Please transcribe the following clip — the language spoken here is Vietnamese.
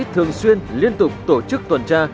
thường xuyên liên tục tổ chức tuần tra